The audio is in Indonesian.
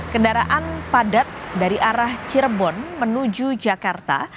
kendaraan padat dari arah cirebon menuju jakarta